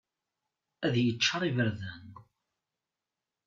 Ad yeččar iberdan.